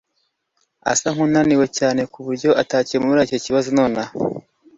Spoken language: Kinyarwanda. asa nkunaniwe cyane kuburyo atakemura icyo kibazo nonaha.